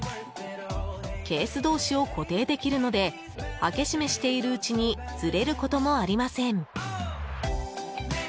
ケース同士を固定できるので開け閉めしているうちにずれることもありません。